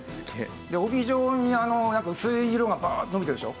帯状に薄い色がバーッと延びてるでしょう？